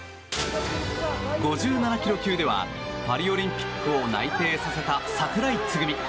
５７ｋｇ級ではパリオリンピックを内定させた櫻井つぐみ。